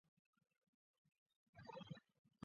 很多蔬菜还要加压装罐才行。